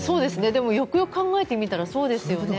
でもよくよく考えてみたらそうですよね。